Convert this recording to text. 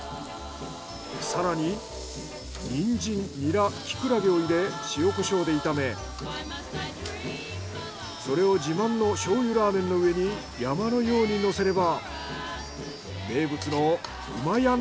更にニンジンニラキクラゲを入れ塩コショウで炒めそれを自慢の醤油ラーメンの上に山のようにのせれば名物のうまやん